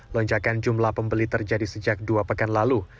lonjakan jumlah pembeli terjadi sejak dua pekan lalu